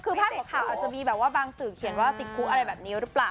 คือพาดหัวข่าวอาจจะมีแบบว่าบางสื่อเขียนว่าติดคุกอะไรแบบนี้หรือเปล่า